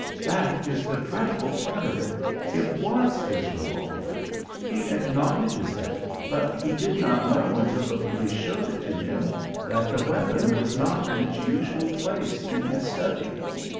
That is the dreadful part of it it was his revolver. He acknowledges it, but he did not know, until the police showed it to him, that the weapon was not in its usual place in his study.